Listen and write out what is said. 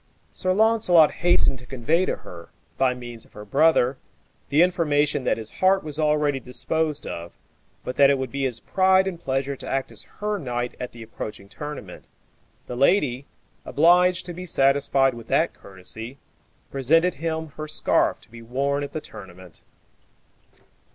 Sir Launcelot hastened to convey to her, by means of her brother, the information that his heart was already disposed of, but that it would be his pride and pleasure to act as her knight at the approaching tournament. The lady, obliged to be satisfied with that courtesy, presented him her scarf to be worn at the tournament.